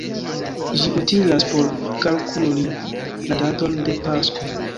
Ĝi utilas por kalkuli la daton de Pasko.